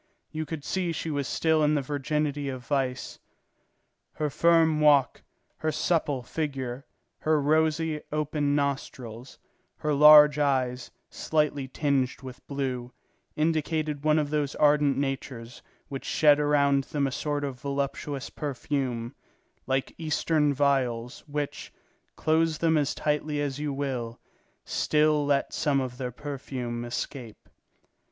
You could see she was still in the virginity of vice. Her firm walk, her supple figure, her rosy, open nostrils, her large eyes, slightly tinged with blue, indicated one of those ardent natures which shed around them a sort of voluptuous perfume, like Eastern vials, which, close them as tightly as you will, still let some of their perfume escape.